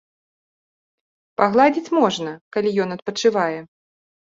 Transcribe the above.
Пагладзіць можна, калі ён адпачывае.